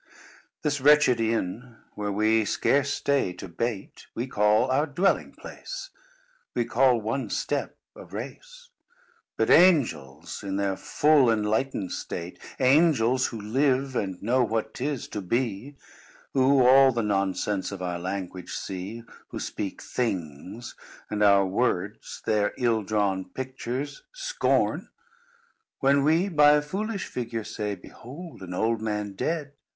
"This wretched Inn, where we scarce stay to bait, We call our Dwelling Place: We call one Step a Race: But angels in their full enlightened state, Angels, who Live, and know what 'tis to Be, Who all the nonsense of our language see, Who speak things, and our words, their ill drawn pictures, scorn, When we, by a foolish figure, say, _Behold an old man dead!